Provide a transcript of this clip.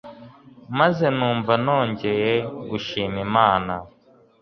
maze numva nongeye gushima Imana